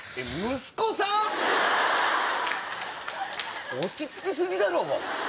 息子さん⁉落ち着き過ぎだろ！